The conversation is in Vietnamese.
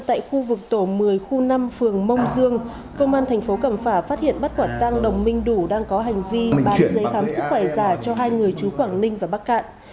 từ khu năm phường mông dương công an tp cẩm phả phát hiện bắt quả tăng đồng minh đủ đang có hành vi bán giấy khám sức khỏe giả cho hai người chú quảng ninh và bắc cạn